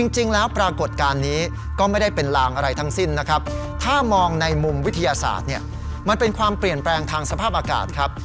ปรากฏการณ์นี้ก็ไม่ได้เป็นลางอะไรทั้งสิ้นนะครับถ้ามองในมุมวิทยาศาสตร์เนี่ยมันเป็นความเปลี่ยนแปลงทางสภาพอากาศครับ